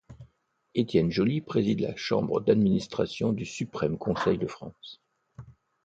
Étienne Joly préside la chambre d'administration du Suprême Conseil de France.